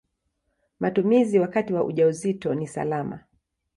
Matumizi wakati wa ujauzito ni salama.